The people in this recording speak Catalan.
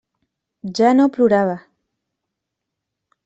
Ja no plorava.